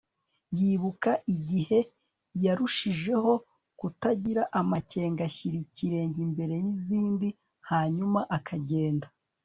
yibuka igihe yarushijeho kutagira amakenga ashyira ikirenge imbere yizindi hanyuma akagenda